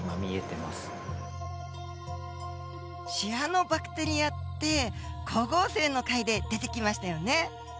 シアノバクテリアって光合成の回で出てきましたよね。